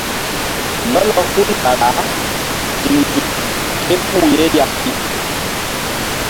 Lɔlɔ hul kara ziŋ nzuk ké puh ye ya pi.